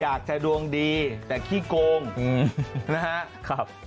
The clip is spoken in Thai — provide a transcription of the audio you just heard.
อยากจะดวงดีแต่ขี้โกงนะครับ